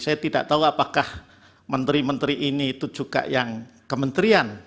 saya tidak tahu apakah menteri menteri ini itu juga yang kementerian